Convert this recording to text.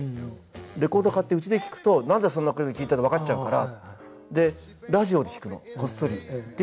レコード買ってうちで聴くと「何だそんなの聴いて」って分かっちゃうからラジオ聴くのこっそり。